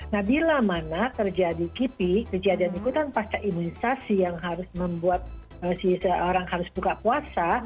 nah bila mana terjadi kipi kejadian ikutan pasca imunisasi yang harus membuat si seorang harus buka puasa